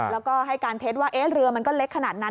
แล้วก็ให้การเท็จว่าเรือมันก็เล็กขนาดนั้น